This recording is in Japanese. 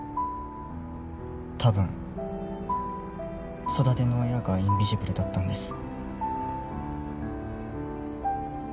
たぶん育ての親がインビジブルだったんです